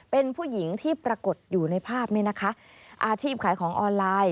เป็นผู้หญิงที่ปรากฏอยู่ในภาพนี้นะคะอาชีพขายของออนไลน์